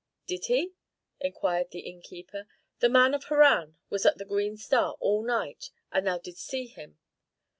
"Did he?" inquired the innkeeper. "The man of Harran was at the 'Green Star' all night, and thou didst see him?"